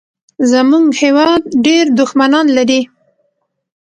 زمونږ هېواد ډېر دوښمنان لري